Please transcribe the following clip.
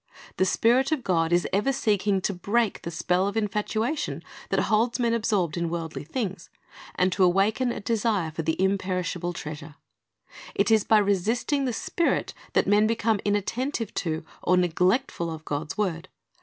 The Spirit of God is ever seeking to break the spell of infatuation that holds men absorbed in worldly things, and to awaken a desire for the imperishable treasure. It is by resisting the Spirit that men become inattentive to or neglectful of God's word.